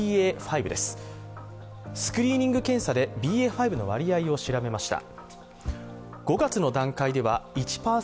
．５ですスクリーニング検査でＢＡ．５の割合を調べました。